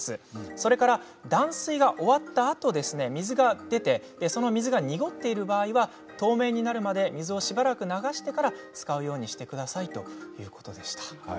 それから断水が終わったあと水が出てその水が濁っている場合は透明になるまで水をしばらく流してから使うようにしてくださいということでした。